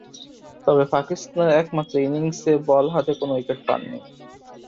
তবে পাকিস্তানের একমাত্র ইনিংসে বল হাতে কোন উইকেট পাননি।